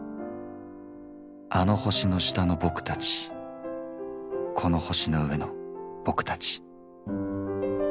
あの星の下のボクたちこの星の上のボクたち。